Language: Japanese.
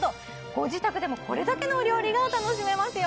ご自宅でもこれだけのお料理が楽しめますよ